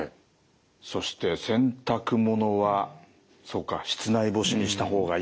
そして洗濯物はそうか室内干しにした方がいいと。